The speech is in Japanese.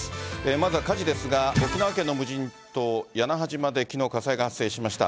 まずは火事ですが、沖縄県の無人島、やなは島で、きのう火災が発生しました。